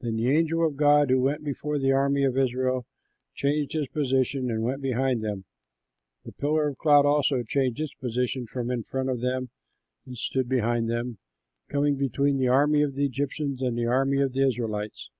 Then the angel of God who went before the army of Israel changed his position and went behind them. The pillar of cloud also changed its position from in front of them and stood behind them, coming between the army of the Egyptians and the army of the Israelites.